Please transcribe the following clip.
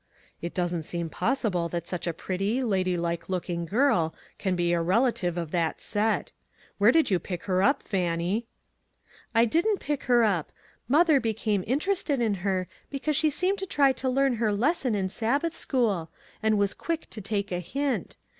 "It doesn't seem possible that such a pretty, ladylike looking girl can be a rela tive of that set. Where did you pick her up, Fannie ?" "I didn't pick her up. Mother became interested in her because she seemed to try to learn her lesson in Sabbath school, and was quick to take a hint.